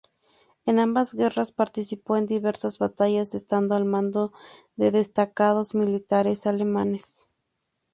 En ambas guerras participó en diversas batallas, estando al mando de destacados militares alemanes.